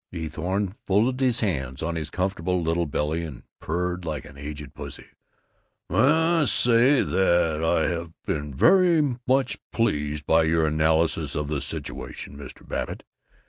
Eathorne folded his hands on his comfortable little belly and purred like an aged pussy: "May I say, first, that I have been very much pleased by your analysis of the situation, Mr. Babbitt.